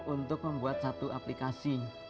untuk membuat satu aplikasi